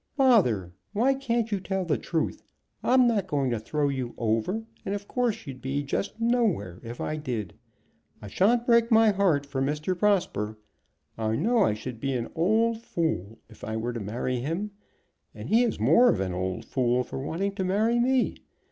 "Bother! why can't you tell the truth? I'm not going to throw you over, and of course you'd be just nowhere if I did. I shan't break my heart for Mr. Prosper. I know I should be an old fool if I were to marry him; and he is more of an old fool for wanting to marry me.